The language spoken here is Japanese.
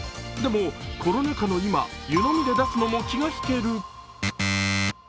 でも、コロナ禍の今、湯飲みで出すのも気が引ける。